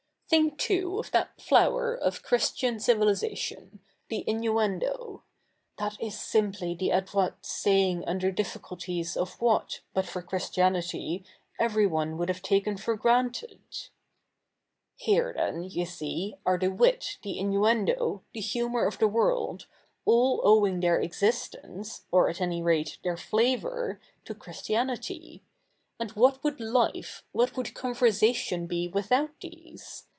' TJmik, too, of that flower of Ch7 istian civilisatio7i, the in7iue7ido. That is si77iply the adroit sayiiig U7ider difficulties of what, but for Christiaiiity, everyo72e would have takeii for granted. ' He7'e, then, you see, a7 e the wit, the i7inue7ido, the hu7nour of the world, all owiiig their existe7ice, or at a7iy 7 ate, their flavour, to Christianity. And what would life, what would co7iversation be without these